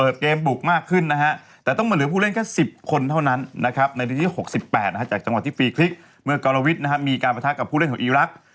จากจังหวะที่ฟรีคลิกเมื่อการวิทย์มีการประทับกับผู้เล่นของอีลักษณ์